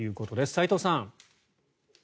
齋藤さん。